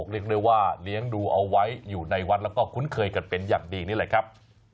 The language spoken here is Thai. เรียกได้ว่าเลี้ยงดูเอาไว้อยู่ในวัดแล้วก็คุ้นเคยกันเป็นอย่างดีนี่แหละครับ